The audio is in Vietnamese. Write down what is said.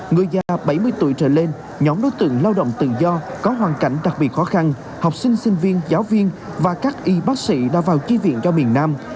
người già bảy mươi tuổi trở lên nhóm đối tượng lao động tự do có hoàn cảnh đặc biệt khó khăn học sinh sinh viên giáo viên và các y bác sĩ đã vào chi viện cho miền nam